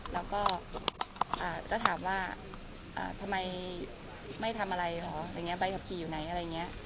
แล้วก็ก็ถามว่าทำไมไม่ทำอะไรหรอใบขับขี่อยู่ไหนอะไรอย่างเงี้ย